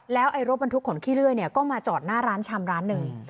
แล้วไอ้รถบรรทุกขนขี้เลื่อยก็มาจอดหน้าร้านชำร้านหนึ่ง